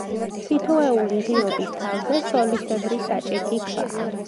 თითოეული ღიობის თავზე სოლისებრი, საჭექი ქვაა.